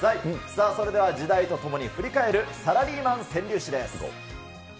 さあ、それでは時代と共に振り返るサラリーマン川柳史です。